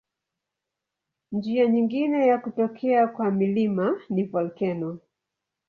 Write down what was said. Njia nyingine ya kutokea kwa milima ni volkeno.